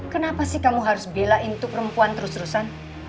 kenapa sih kamu harus bilang itu perempuan terus terusan